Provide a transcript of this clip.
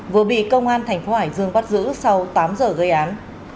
vừa bị công an thành phố hải dương bắt giữ sau tám giờ gây án